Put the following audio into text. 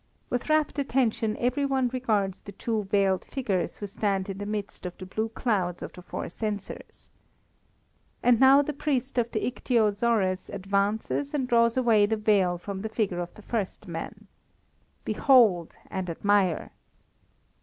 With rapt attention every one regards the two veiled figures who stand in the midst of the blue clouds of the four censers. And now the priest of the ichthyosaurus advances and draws away the veil from the figure of the first man. "Behold and admire!"